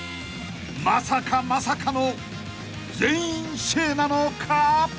［まさかまさかの全員シェーなのか？］